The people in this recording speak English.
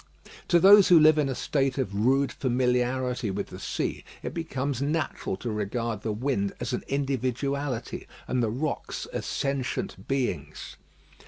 To those who live in a state of rude familiarity with the sea, it becomes natural to regard the wind as an individuality, and the rocks as sentient beings.